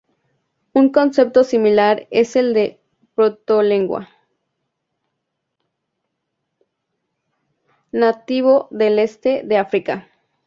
Nativo del este de África.